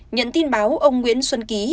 nhận tin báo ông nguyễn xuân ký